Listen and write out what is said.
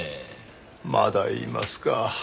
まだ言いますか。